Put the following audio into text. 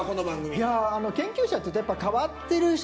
いや研究者っていうとやっぱ変わってる人